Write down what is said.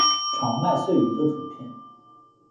长麦穗鱼的图片